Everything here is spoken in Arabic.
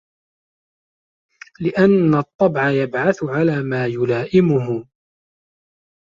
لِأَنَّ الطَّبْعَ يَبْعَثُ عَلَى مَا يُلَائِمُهُ